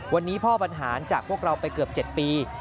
วันนี้พ่อบรรหารจากพวกเราไปเกือบ๗ปี